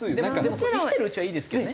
生きてるうちはいいですけどね。